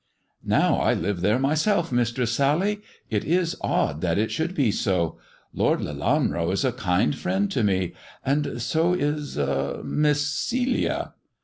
*'Now I live there myself. Mistress Sally. It is odd that it should be so. Lord Lelanro is a kind friend to me, and so is — Miss Celia."